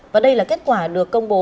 và đây là kết quả được công bố